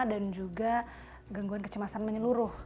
dan juga gangguan kecemasan menyeluruh